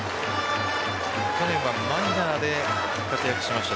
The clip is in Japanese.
去年はマイナーで活躍しました。